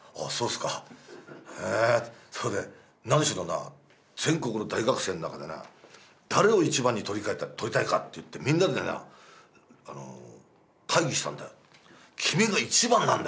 それで「なにしろな全国の大学生の中で誰を一番にとりたいかっていってみんなでな会議したんだよ」。